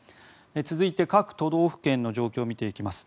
続いて、各都道府県の状況見ていきます。